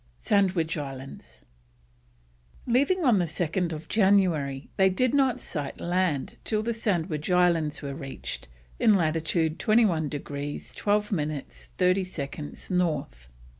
SANDWICH ISLANDS. Leaving on 2nd January they did not sight land till the Sandwich Islands were reached, in latitude 21 degrees 12 minutes 30 seconds North.